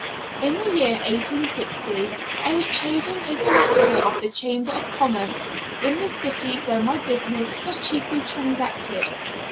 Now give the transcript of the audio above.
In the year 1860 I was chosen a director of the Chamber of Commerce in the city where my business was chiefly transacted.